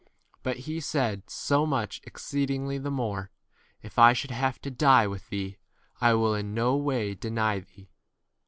But he said so much exceedingly the more, If I should have to die with thee, I will in no way deny thee.